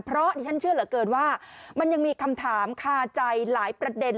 เพราะดิฉันเชื่อเหลือเกินว่ามันยังมีคำถามคาใจหลายประเด็น